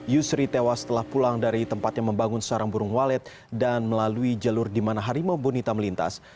yusri tewas telah pulang dari tempat yang membangun seorang burung walet dan melalui jalur di mana harimau bonita melintas